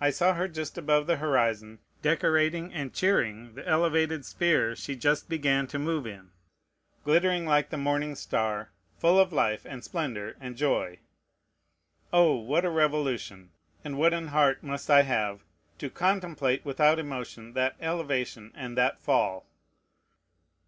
I saw her just above the horizon, decorating and cheering the elevated sphere she just began to move in, glittering like the morning star, full of life and splendor and joy. Oh! what a revolution! and what an heart must I have, to contemplate without emotion that elevation and that fall!